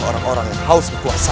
oleh orang orang yang haus berkuasa